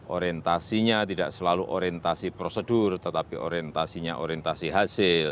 orientasinya tidak selalu orientasi prosedur tetapi orientasinya orientasi hasil